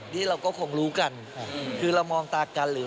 มีการให้ใครรู้